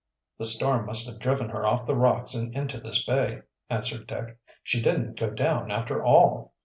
"The storm must have driven her off the rocks and into this bay," answered Dick. "She didn't go down, after all."